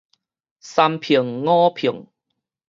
三聘五聘